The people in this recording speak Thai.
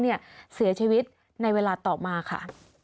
เสียชีวิตในเวลาต่อมาค่ะ